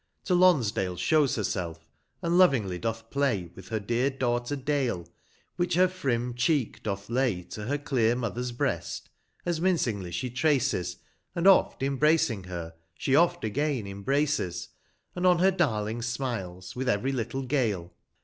To Lonsdale* shows herself, and lovingly doth play With her dear daughter iJa/t', which her frim cheek doth lay To JMir clear motln r's Vm ast, as mincingly she traces, vx. Ami oft iml»raciiig her, she oft again imbraces, And on her darling smiles, with every little gale.